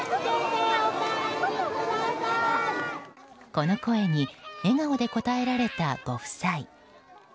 この声に笑顔で応えられたご夫妻。